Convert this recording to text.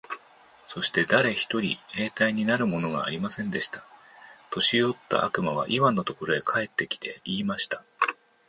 そして誰一人兵隊になるものがありませんでした。年よった悪魔はイワンのところへ帰って来て、言いました。